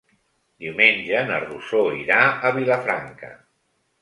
Diumenge na Rosó irà a Vilafranca.